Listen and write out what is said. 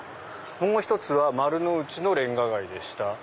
「もう一つは丸の内の煉瓦街でした」。